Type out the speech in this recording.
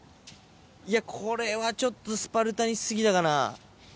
いや、これはちょっとスパルタにし過ぎたかな。